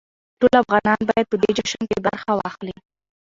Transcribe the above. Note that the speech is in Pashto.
ټول افغانان بايد په دې جشن کې برخه واخلي.